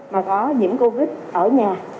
mà có nhiễm covid ở nhà